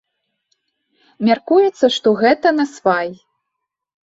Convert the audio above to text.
Мяркуецца, што гэта насвай.